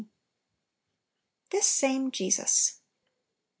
"THIS SAME JESUS."